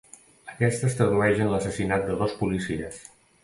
Aquesta es tradueix en l'assassinat de dos policies.